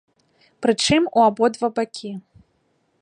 Прычым, у абодва бакі.